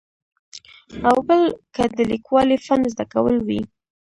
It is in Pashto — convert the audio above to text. او بل که د لیکوالۍ فن زده کول وي.